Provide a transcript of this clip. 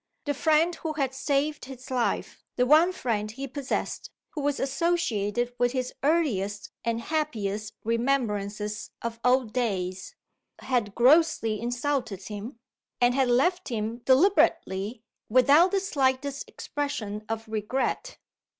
The friend who had saved his life the one friend he possessed, who was associated with his earliest and happiest remembrances of old days had grossly insulted him: and had left him deliberately, without the slightest expression of regret.